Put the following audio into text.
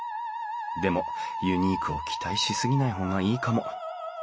でもユニークを期待し過ぎない方がいいかも。